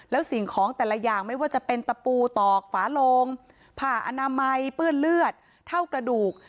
แล้วสิ่งของแต่ละอย่างไม่ว่าจะเป็นตะปูตอกฝาโลงผ้าอนามัยเปื้อนเลือดเท่ากระดูก